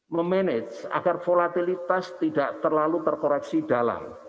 memanage agar volatilitas tidak terlalu terkoreksi dalam